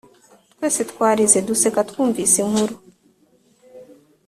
twese twarize duseka twumvise inkuru,